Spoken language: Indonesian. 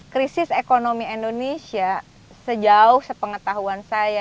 krisis ekonomi indonesia sejauh sepengetahuan saya